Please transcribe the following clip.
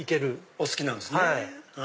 お好きなんですね。